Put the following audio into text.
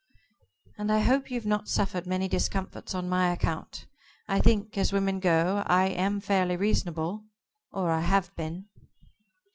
"And I hope you've not suffered many discomforts on my account. I think, as women go, I am fairly reasonable or I have been."